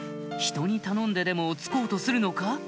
ひとに頼んででも突こうとするのか？